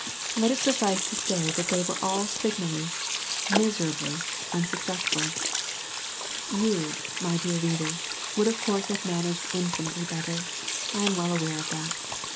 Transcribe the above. Let it suffice to say that they were all signally, miserably, unsuccessful. You, my dear reader, would of course have managed infinitely better; I am well aware of that.